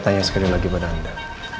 saya sekali lagi pada anda